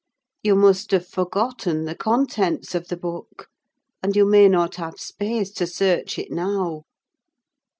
You must have forgotten the contents of the book, and you may not have space to search it now.